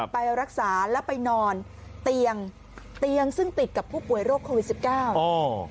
ไปรักษาและไปนอนเตียงซึ่งติดกับผู้ป่วยโรคโควิด๑๙